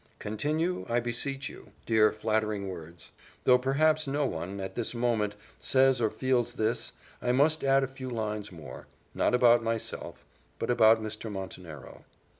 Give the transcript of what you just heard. "Continue, I beseech you:" dear flattering words! Though perhaps no one, at this minute, says or feels this, I must add a few lines more not about myself, but about Mr. Montenero.